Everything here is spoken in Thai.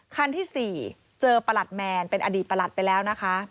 คันที่๔เจอประหลัดแมนเป็นอดีตประหลัดไปแล้วนะคะ